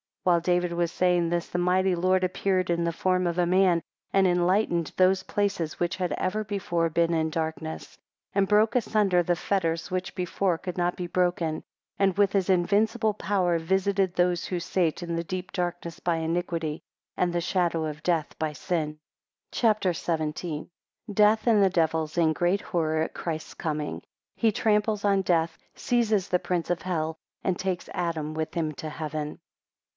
18 While David was saying this, the mighty Lord appeared in the form of a man, and enlightened those places which had ever before been in darkness. 19 And broke asunder the fetters which before could not be broken; and with his invincible power visited those who sate in the deep darkness by iniquity, and the shadow of death by sin. CHAPTER XVII. 1 Death and the devils in great horror at Christ's coming. 13 He tramples on death, seizes the prince of hell, and takes Adam with him to Heaven.